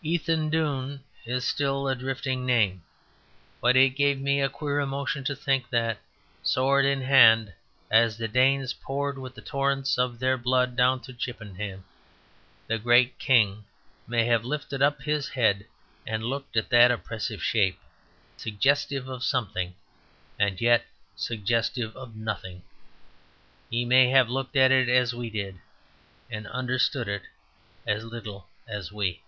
Ethandune is still a drifting name; but it gave me a queer emotion to think that, sword in hand, as the Danes poured with the torrents of their blood down to Chippenham, the great king may have lifted up his head and looked at that oppressive shape, suggestive of something and yet suggestive of nothing; may have looked at it as we did, and understood it as little as we.